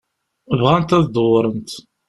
Bɣant ad dewwṛent.